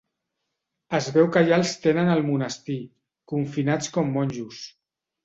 Es veu que ja els tenen al monestir, confinats com monjos.